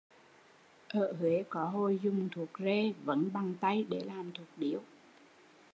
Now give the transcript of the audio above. Ở Huế có hồi dùng thuốc rê vấn bằng tay để làm thuốc điếu